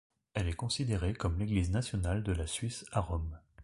Elle est considérée comme l'église nationale de la Suisse à Rome.